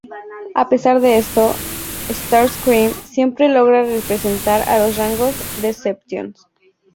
A pesar de esto, Starscream siempre logra regresar a los rangos Decepticons.